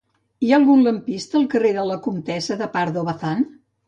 Hi ha algun lampista al carrer de la Comtessa de Pardo Bazán?